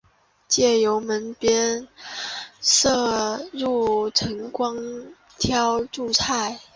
借由门边射入的晨光挑著菜